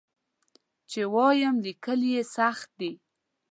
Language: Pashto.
چې ووایم لیکل یې سخت دي.